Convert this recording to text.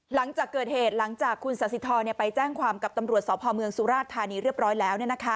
หลังจากเกิดเหตุหลังจากคุณสาธิธรไปแจ้งความกับตำรวจสพเมืองสุราชธานีเรียบร้อยแล้ว